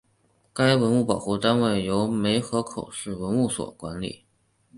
该文物保护单位由梅河口市文物所管理。